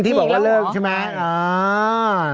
ที่บอกว่าเลิกใช่ไหม